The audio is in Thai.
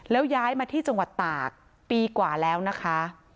แล้วย้ายมาที่จังหวัดตากปีกว่าแล้วนะคะ